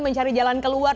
mencari jalan keluar